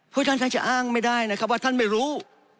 พวกท่านท่านจะอ้างไม่ได้นะครับว่าท่านไม่รู้